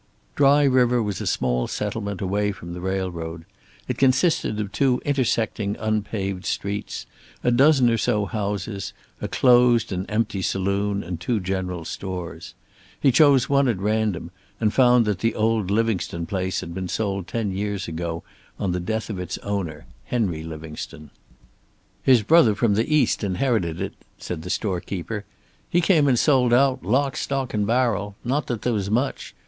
Dry River was a small settlement away from the railroad. It consisted of two intersecting unpaved streets, a dozen or so houses, a closed and empty saloon and two general stores. He chose one at random and found that the old Livingstone place had been sold ten years ago, on the death of its owner, Henry Livingstone. "His brother from the East inherited it," said the storekeeper. "He came and sold out, lock, stock and barrel. Not that there was much.